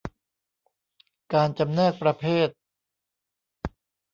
การจำแนกประเภท